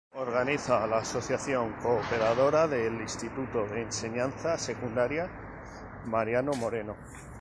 Organiza la Asociación Cooperadora del Instituto de Enseñanza Secundaria Mariano Moreno.